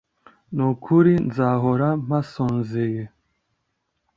n'ukuri nzahora mpasonzeye